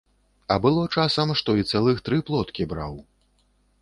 А было часам, што і цэлых тры плоткі браў.